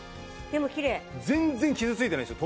全然傷ついてないでしょ？